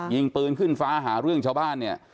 ยิงปืนยิงขึ้นฟ้าหาเรื่องชาวบ้าน